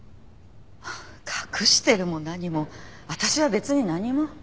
隠してるも何も私は別に何も。